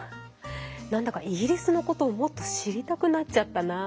何だかイギリスのことをもっと知りたくなっちゃったな。